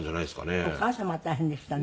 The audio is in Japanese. お母様が大変でしたね。